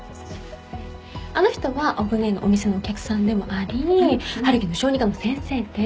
あの人はオグねぇのお店のお客さんでもあり春樹の小児科の先生です。